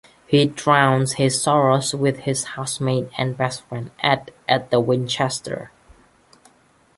He drowns his sorrows with his housemate and best friend Ed at the Winchester.